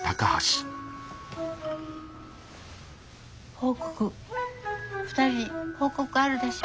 報告２人に報告あるでしょ？